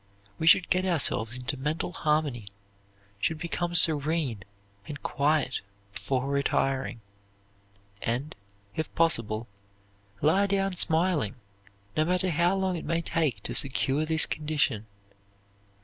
We should get ourselves into mental harmony, should become serene and quiet before retiring, and, if possible, lie down smiling, no matter how long it may take to secure this condition.